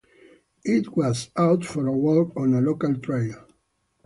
I was out for a walk on a local trail.